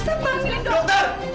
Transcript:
ustaz panggil dokter